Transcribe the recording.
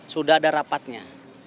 sudah ada rapatnya